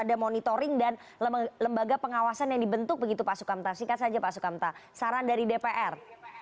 ada monitoring dan lembaga pengawasan yang dibentuk begitu pak sukamta singkat saja pak sukamta saran dari dpr